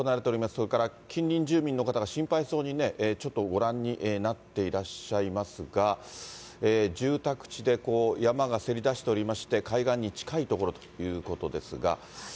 それから近隣住民の方が心配そうにちょっとご覧になってらっしゃいますが、住宅地で山がせり出しておりまして、海岸に近い所ということですが。